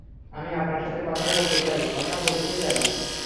আমি আপনার সাথে কথা বলতে চাই কথা বলতে চাই।